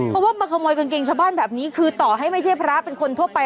เพราะว่ามาขโมยกางเกงชาวบ้านแบบนี้คือต่อให้ไม่ใช่พระเป็นคนทั่วไป